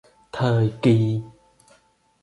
Thời kỳ